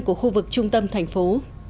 của khu vực trung tâm thành phố